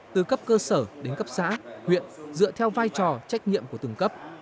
từ cấp cơ sở đến cấp xã huyện dựa theo vai trò trách nhiệm của từng cấp